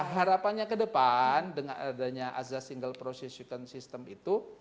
harapannya ke depan dengan adanya azas single proces second system itu